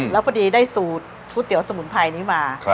แล้วพอดีได้สูตรก๋วยเตี๋ยวสมุนไพรนี้มา